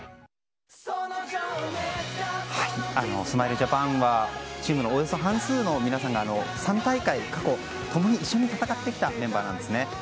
スマイルジャパンはチームのおよそ半数の皆さんが３大会、過去に共に一緒に戦ってきたメンバーなんですね。